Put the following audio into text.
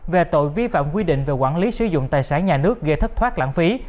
về tội vi phạm quy định về quản lý sử dụng tài sản nhà nước gây thất thoát lãng phí